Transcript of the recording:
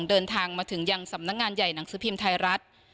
เดินทางมาถึงยังสำนักงานใหญ่หนังสือพิมพ์ไทยรัฐ